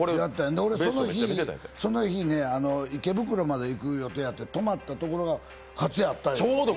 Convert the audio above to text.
俺、その日、池袋まで行く予定があって、とまったところがかつややったん。